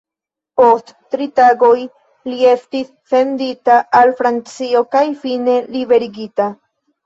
Post tri tagoj li estis sendita al Francio kaj fine liberigita.